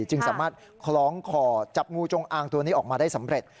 จึงสามารถคล้องคอจับงูจงอางตัวนี้ออกมาได้สำเร็จ